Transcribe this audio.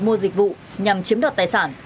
mua dịch vụ nhằm chiếm đọt tài sản